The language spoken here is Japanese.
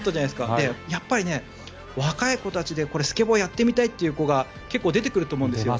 やっぱり若い子たちでスケボーをやってみたいという子が結構、出てくると思うんですよ。